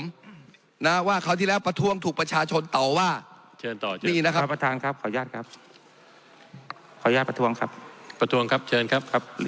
ขออนุญาตประทวงครับประทวงครับเชิญครับครับ